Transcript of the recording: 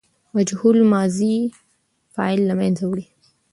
مجهول ماضي فاعل له منځه وړي.